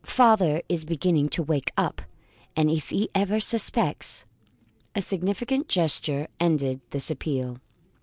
Father is beginning to wake up and if he ever suspects " A significant gesture ended this appeal.